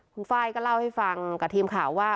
คุณไฟล์ก็เล่าให้ฟังกับทีมข่าวว่า